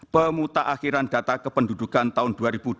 pemutak akhiran data kependudukan tahun dua ribu dua puluh tiga